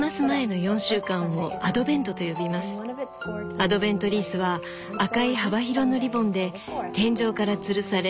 アドベントリースは赤い幅広のリボンで天井からつるされ